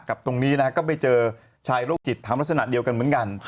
ตรงนี้นะฮะก็ไปเจอชายโรคจิตทำลักษณะเดียวกันเหมือนกัน